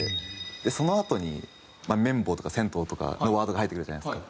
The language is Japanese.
そのあとに「綿棒」とか「銭湯」とかのワードが入ってくるじゃないですか。